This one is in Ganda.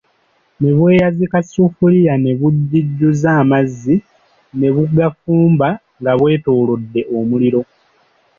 Ne bweyazika sufuliya ne bugijjuza amazzi ne bugafumba nga bwetoolodde omuliro.